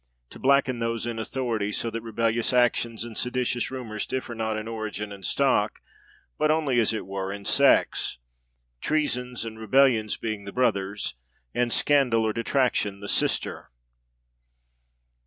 to blacken those in authority; so that rebellious actions and seditious rumors, differ not in origin and stock, but only, as it were, in sex; treasons and rebellions being the brothers, and scandal or detraction the sister.